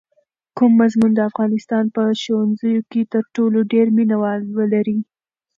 کوم مضمون د افغانستان په ښوونځیو کې تر ټولو ډېر مینه وال لري؟